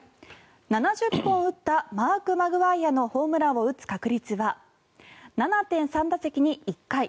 ７０本打ったマーク・マグワイアのホームランを打つ確率は７．３打席に１回。